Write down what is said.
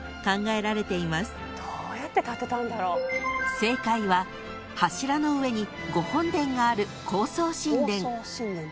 ［正解は柱の上にご本殿がある高層神殿］